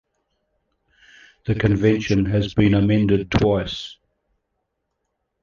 The Convention has been amended twice.